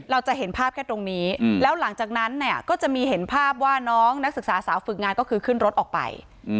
เราจะเห็นภาพแค่ตรงนี้แล้วหลังจากนั้นเนี่ยก็จะมีเห็นภาพว่าน้องนักศึกษาสาวฝึกงานก็คือขึ้นรถออกไป